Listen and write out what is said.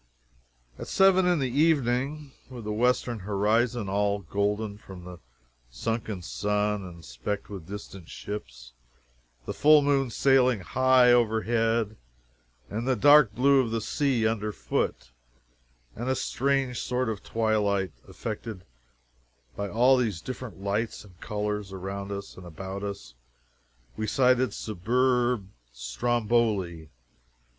At seven in the evening, with the western horizon all golden from the sunken sun, and specked with distant ships, the full moon sailing high over head, the dark blue of the sea under foot, and a strange sort of twilight affected by all these different lights and colors around us and about us, we sighted superb Stromboli.